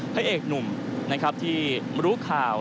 พระเอกหนุ่มนะครับที่รู้ข่าว